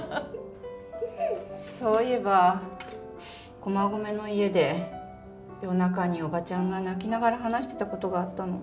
そういえば駒込の家で夜中におばちゃんが泣きながら話してたことがあったの。